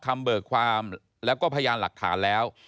เบิกความแล้วก็พยานหลักฐานแล้ว